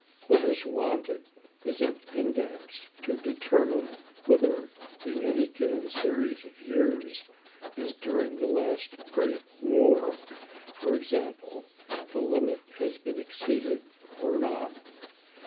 What is wanted is an index to determine whether, in any given series of years, as during the last great war, for example, the limit has been exceeded or not.